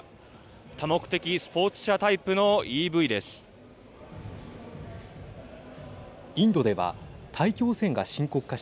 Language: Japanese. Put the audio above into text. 多目的スポーツ車タイプのＥＶです。